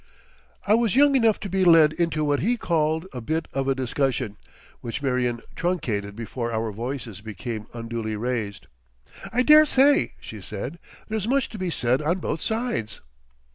I was young enough to be led into what he called "a bit of a discussion," which Marion truncated before our voices became unduly raised. "I dare say," she said, "there's much to be said on both sides."